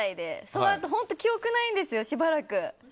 そのあと本当に記憶がないんですよしばらく。